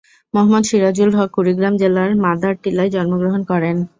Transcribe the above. মোহাম্মদ সিরাজুল হক কুড়িগ্রাম জেলার মাদারটিলায় জন্মগ্রহণ করেন।